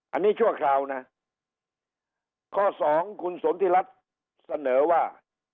อันนี้ชั่วคราวนะข้อสองคุณสนทิรัฐเสนอว่า